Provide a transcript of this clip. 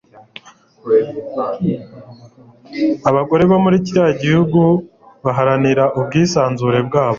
Abagore bo muri kiriya gihugu baharanira ubwisanzure bwabo